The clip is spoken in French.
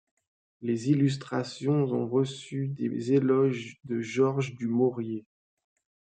Les illustrations ont reçu des éloges de George du Maurier.